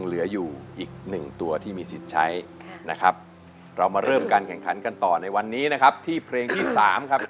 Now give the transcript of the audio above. เริ่มการแข่งขันกันต่อในวันนี้นะครับที่เพลงที่๓ครับ